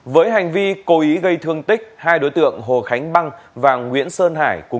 với hành vi cố ý gây thương tích hai đối tượng hồ khánh băng và nguyễn sơn hải